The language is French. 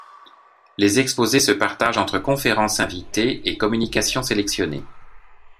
Les exposés se partagent entre conférences invités et communications sélectionnées.